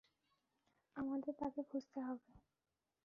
আমাদের তাকে খুঁজতে হবে।